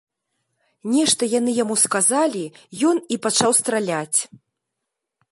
Нешта яны яму сказалі, ён і пачаў страляць.